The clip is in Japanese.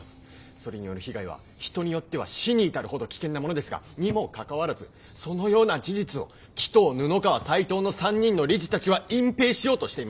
それによる被害は人によっては死に至るほど危険なものですがにもかかわらずそのような事実を鬼頭布川斎藤の３人の理事たちは隠蔽しようとしていました。